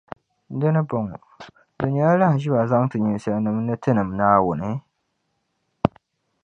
Di ni bɔŋɔ, di nyɛla lahiʒiba n-zaŋ ti nisalinim’ ni tinim Naawuni?